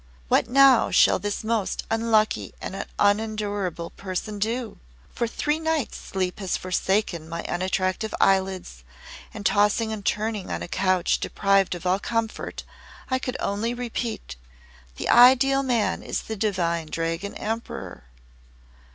"What now shall this most unlucky and unendurable person do? For three nights has sleep forsaken my unattractive eyelids, and, tossing and turning on a couch deprived of all comfort, I could only repeat, 'The Ideal Man is the Divine Dragon Emperor!